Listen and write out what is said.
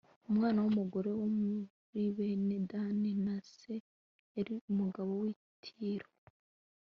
umwana w'umugore wo muri bene dani, na se yari umugabo w'i tiro